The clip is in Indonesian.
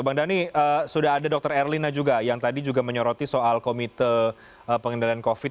bang dhani sudah ada dr erlina juga yang tadi juga menyoroti soal komite pengendalian covid